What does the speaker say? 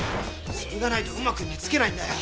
それがないとうまく寝つけないんだよ！